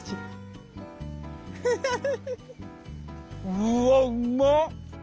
うわっうまっ！